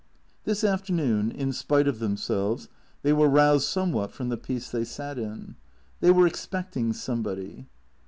This afternoon, in spite of themselves, they were roused some what from the peace they sat in. They were expecting some body.